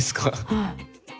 はい。